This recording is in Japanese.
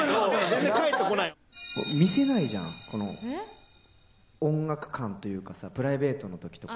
見せないじゃん音楽感というかさプライベートの時とか。